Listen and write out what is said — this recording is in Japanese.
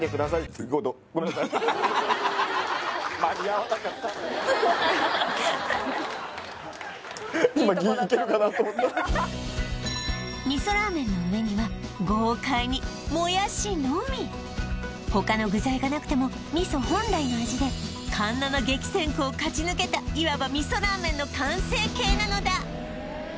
ホントだ今ギリいけるかなと思った味噌ラーメンの上には豪快にもやしのみ他の具材がなくても味噌本来の味で環七激戦区を勝ち抜けたいわば味噌ラーメンの完成形なのだ